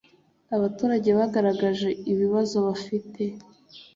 abaturage bagaragaje ibibazo bafite.